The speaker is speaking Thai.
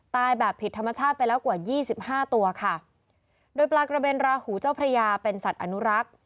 ตายแบบผิดธรรมชาติไปแล้วกว่ายี่สิบห้าตัวค่ะโดยปลากระเบนราหูเจ้าพระยาเป็นสัตว์อนุรักษ์